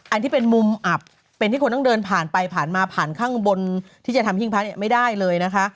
อันนี้เป็นมุมอับเป็นที่คนต้องเดินผ่านไปผ่านมาผ่านข้างบนที่จะทำหิ้งพระเนี่ยไม่ได้เลยนะคะ